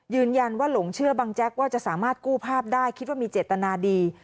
หลงเชื่อบังแจ๊กว่าจะสามารถกู้ภาพได้คิดว่ามีเจตนาดี